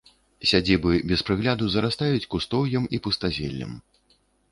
Сядзібы без прыгляду зарастаюць кустоўем і пустазеллем.